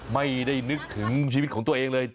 ไม่ได้นึกถึงชีวิตของตัวเองเลย